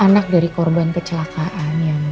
anak dari korban kecelakaan